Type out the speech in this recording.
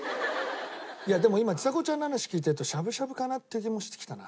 いやでも今ちさ子ちゃんの話聞いてるとしゃぶしゃぶかなって気もしてきたな。